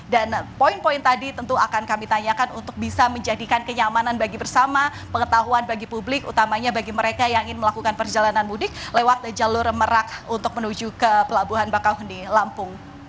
dan poin poin tadi tentu akan kami tanyakan untuk bisa menjadikan kenyamanan bagi bersama pengetahuan bagi publik utamanya bagi mereka yang ingin melakukan perjalanan mudik lewat jalur merak untuk menuju ke pelabuhan bakau di lampung